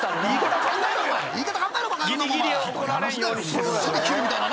ばっさり切るみたいなな。